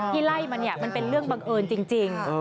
ที่ไล่มันเป็นเรื่องบังเอิญจริง